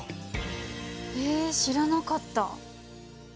え知らなかった。